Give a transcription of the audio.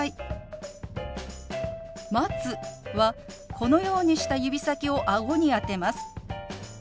「待つ」はこのようにした指先をあごに当てます。